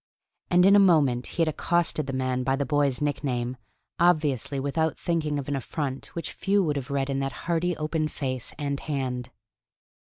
And in a moment he had accosted the man by the boy's nickname, obviously without thinking of an affront which few would have read in that hearty open face and hand.